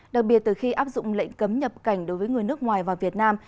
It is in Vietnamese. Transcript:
đặc biệt từ khi áp dụng lệnh cấm nhập cảnh đối với người nước ngoài và việt nam